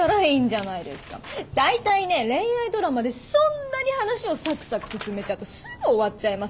だいたいね恋愛ドラマでそんなに話をさくさく進めちゃうとすぐ終わっちゃいますよね。